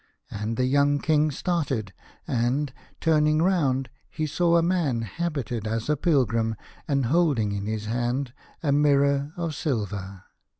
And the young King started, and, turning round, he saw a man habited as a pilgrim and holding in his hand a mirror of silver.